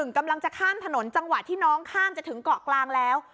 กำลังจะข้ามถนนจังหวะที่น้องข้ามจะถึงเกาะกลางแล้ว